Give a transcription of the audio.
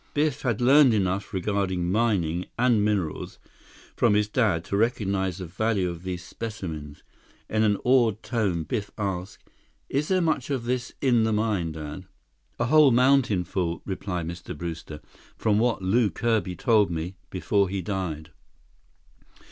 Biff had learned enough regarding mining and minerals from his dad to recognize the value of these specimens. In an awed tone Biff asked: "Is there much of this in the mine, Dad?" "A whole mountain full," replied Mr. Brewster, "from what Lew Kirby told me—before he died."